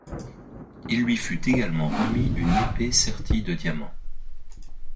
Il lui fut également remis une épée sertie de diamants.